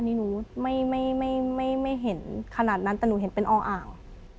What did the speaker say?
นี่หนูไม่เห็นขนาดนั้นแต่หนูเห็นเป็นออ่าว